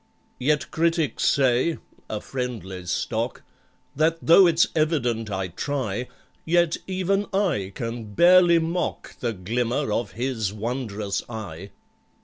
Yet critics say (a friendly stock) That, though it's evident I try, Yet even I can barely mock The glimmer of his wondrous eye!